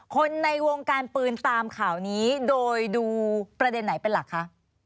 คนในวงการปืนตามข่าวนี้โดยดูประเด็นไหนเป็นหลักคะ